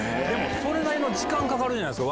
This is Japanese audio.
それなりの時間かかるじゃないですか。